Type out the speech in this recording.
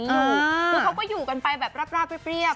คือเขาก็อยู่กันไปแบบราบเรียบ